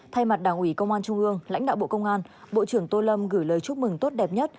thay mặt đảng ủy công an trung ương lãnh đạo bộ công an bộ trưởng tô lâm gửi lời chúc mừng tốt đẹp nhất